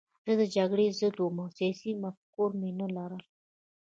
زه د جګړې ضد وم او سیاسي مفکوره مې نه لرله